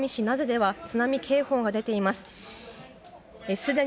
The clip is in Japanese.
名瀬では津波警報が出ています。